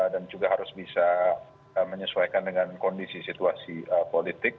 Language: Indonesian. dan juga harus bisa menyesuaikan dengan kondisi situasi politik